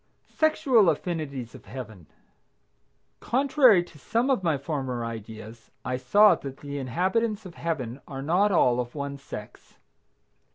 SEXUAL AFFINITIES OF HEAVEN. Contrary to some of my former ideas I saw that the inhabitants of Heaven are not all of one sex.